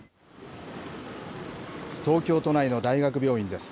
東京都内の大学病院です。